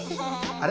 あれ？